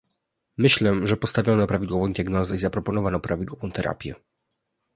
Myślę, że postawiono prawidłową diagnozę i zaproponowano prawidłową terapię